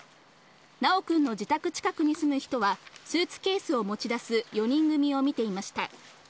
修くんの自宅近くに住む人は、スーツケースを持ち出す４人組を見ていました。